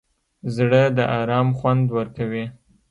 زړه د ارام خوند ورکوي.